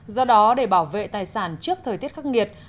do đó để bảo vệ tài sản trước thời tiết khắc nghiệt